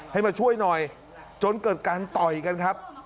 ให้มาช่วยหน่อยจนเกิดการต่อยกันครับ